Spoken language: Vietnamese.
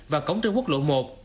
và cống trương quốc lộ một